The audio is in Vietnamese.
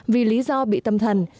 vì lý do bị tâm thần